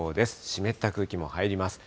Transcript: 湿った空気も入ります。